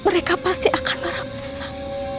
mereka pasti akan merah pesat